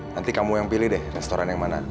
nanti kamu yang pilih deh restoran yang mana